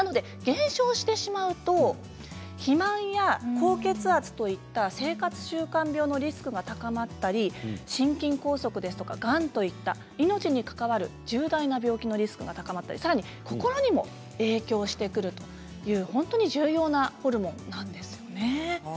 減少してしまうと肥満や高血圧といった生活習慣病のリスクが高まったり心筋梗塞ですとか、がんといった命に関わる重大な病気のリスクが高まったりさらに心にも影響してくるという重要なホルモンなんですね。